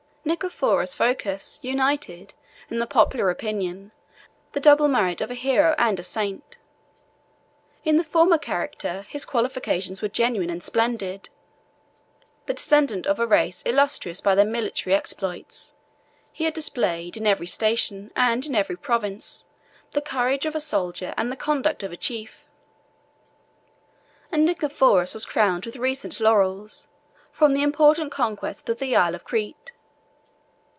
Nicephorus Phocus united, in the popular opinion, the double merit of a hero and a saint. In the former character, his qualifications were genuine and splendid: the descendant of a race illustrious by their military exploits, he had displayed in every station and in every province the courage of a soldier and the conduct of a chief; and Nicephorus was crowned with recent laurels, from the important conquest of the Isle of Crete.